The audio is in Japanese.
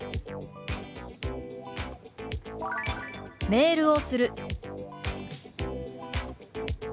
「メールをする」。